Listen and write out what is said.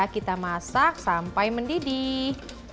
kita masak sampai mendidih